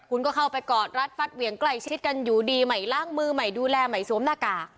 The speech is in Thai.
คุณก็เข้าไปกอดรัดฟัดเหวี่ยงใกล้ชิดกันอยู่ดีใหม่ล้างมือใหม่ดูแลใหม่สวมหน้ากาก